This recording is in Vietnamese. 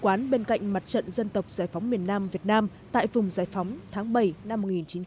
cuba là nước đầu tiên bên cạnh mặt trận dân tộc giải phóng miền nam việt nam tại vùng giải phóng tháng bảy năm một nghìn chín trăm sáu mươi bảy